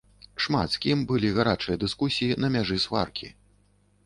Шмат з кім былі гарачыя дыскусіі на мяжы сваркі.